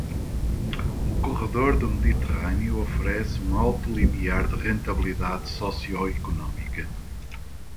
O corredor do Mediterrâneo oferece um alto limiar de rentabilidade socioeconômica.